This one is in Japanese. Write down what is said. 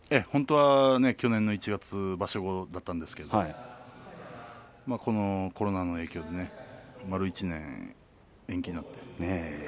本当はね、去年十一月場所の場所後だったんですけれどもこのコロナの影響でね丸１年延期になって。